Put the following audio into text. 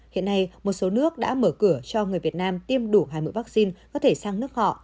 hiện nay một số nước đã mở cửa cho người việt nam tiêm đủ hai mũi vaccine có thể sang nước họ